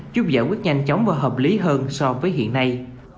giúp giải quyết nhanh chóng và hợp lý hơn so với hiện nay